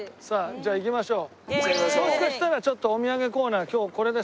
じゃあ行きましょう。